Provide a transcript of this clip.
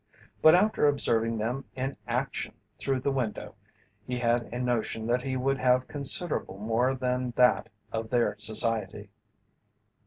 But after observing them in "action" through the window he had a notion that he would have considerable more than that of their society.